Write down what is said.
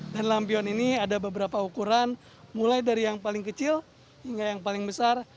dan lampion ini ada beberapa ukuran mulai dari yang paling kecil hingga yang paling besar